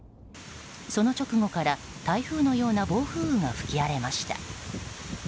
その直後から台風のような暴風雨が吹き荒れました。